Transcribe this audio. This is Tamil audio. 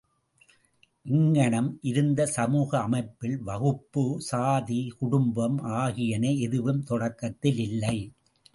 இங்ஙகனம் இருந்த சமூக அமைப்பில் வகுப்பு, சாதி, குடும்பம் ஆகியன எதுவும் தொடக்கத்தில் இல்லை.